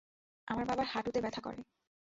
আমার বাবার হাঁটুতে ব্যথা করে।